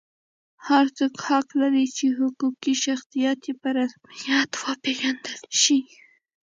هر څوک حق لري چې حقوقي شخصیت یې په رسمیت وپېژندل شي.